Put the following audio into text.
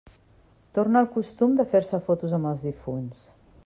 Torna el costum de fer-se fotos amb els difunts.